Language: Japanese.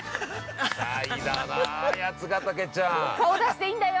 シャイだなあ、八ヶ岳ちゃん。◆顔出していいんだよ！